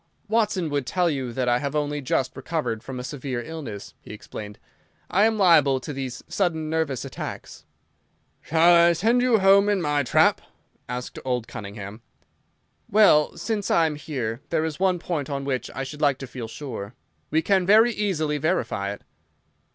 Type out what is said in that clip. "Watson would tell you that I have only just recovered from a severe illness," he explained. "I am liable to these sudden nervous attacks." "Shall I send you home in my trap?" asked old Cunningham. "Well, since I am here, there is one point on which I should like to feel sure. We can very easily verify it."